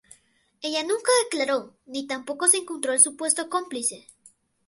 Ella nunca declaró, ni tampoco se encontró al supuesto cómplice.